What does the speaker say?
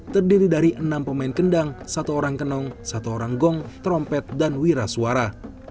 terdiri dari enam pemain kendang satu orang kenong satu orang gong trompet dan wira suara